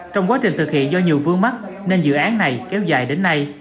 trong quá trình thực hiện do nhiều vương mắc nên dự án này kéo dài đến nay